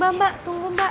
mbak mbak tunggu mbak